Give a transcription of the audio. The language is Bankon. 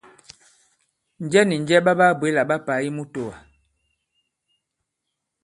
Njɛ nì njɛ ɓa ɓaa-bwě là ɓa pà i mutōwà?